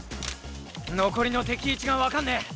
残りの敵位置がわかんねえ！